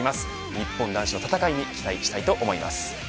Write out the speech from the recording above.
日本男子の戦いに期待したいと思います。